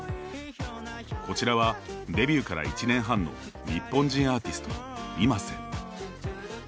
こちらはデビューから１年半の日本人アーティスト・ｉｍａｓｅ。